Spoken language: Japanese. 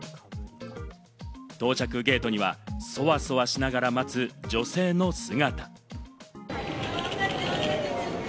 到着ゲートには、そわそわしながら待つ女性の姿。